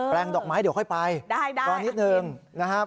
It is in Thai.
แปลงดอกไม้เดี๋ยวค่อยไปได้ได้ก่อนนิดหนึ่งนะฮะ